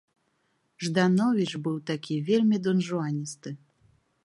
Ждановіч быў такі вельмі донжуаністы.